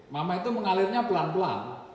mama itu mengalirnya pelan pelan